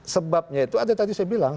sebabnya itu ada tadi saya bilang